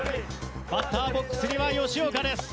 バッターボックスには吉岡です。